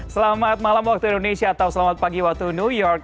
selamat malam waktu indonesia atau selamat pagi waktu new york